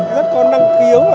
rất có năng khiếu